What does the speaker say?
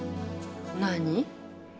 何？